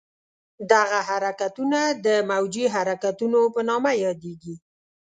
دغه حرکتونه د موجي حرکتونو په نامه یادېږي.